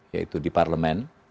yaitu di parlemen